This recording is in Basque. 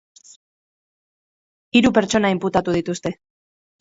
Hiru pertsona inputatu dituzte.